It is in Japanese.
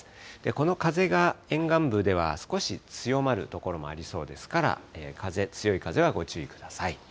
この風が沿岸部では少し強まる所もありそうですから、風、強い風はご注意ください。